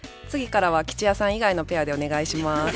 次からは吉弥さん以外のペアでお願いします。